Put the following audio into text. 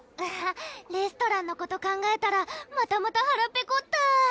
レストランのこと考えたらまたまたはらペコった！